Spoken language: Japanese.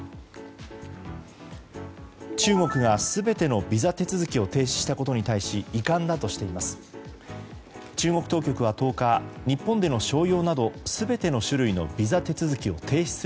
中国が全てのビザ手続きを停止したことに対し遺憾だとしています。